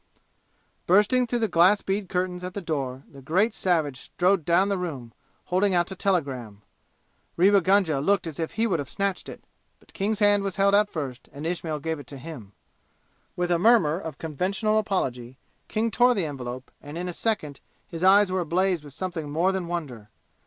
Bursting through the glass bead curtains at the door, the great savage strode down the room, holding out a telegram. Rewa Gunga looked as if he would have snatched it, but King's hand was held out first and Ismail gave it to him. With a murmur of conventional apology King tore the envelope and in a second his eyes were ablaze with something more than wonder.